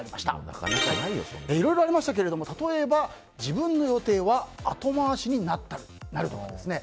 いろいろありましたけれども例えば自分の予定は後回しになったりとかですね